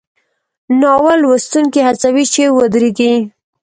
ناول لوستونکی هڅوي چې ودریږي.